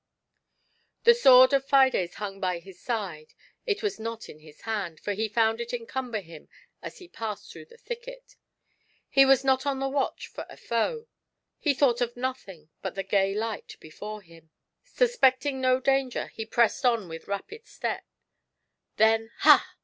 The sword of Fides hung by his side— it was not in his hand, for he found it encumber him as he passed . through the thicket. He was not on the watch for a foe ; he thought of nothing but the gay light before him. OIAJJT SELFISHNESS. Suspecting no danger, he pressed on with rapid step ; then, ha